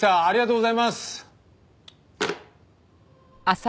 ありがとうございます。